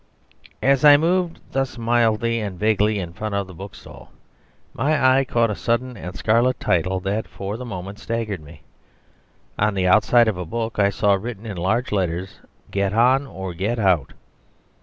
As I moved thus mildly and vaguely in front of the bookstall, my eye caught a sudden and scarlet title that for the moment staggered me. On the outside of a book I saw written in large letters, "Get On or Get Out."